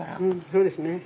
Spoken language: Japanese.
そうですね。